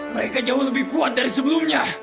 mereka jauh lebih kuat dari sebelumnya